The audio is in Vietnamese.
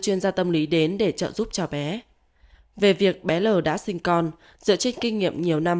chuyên gia tâm lý đến để trợ giúp cho bé về việc bé l đã sinh con dựa trên kinh nghiệm nhiều năm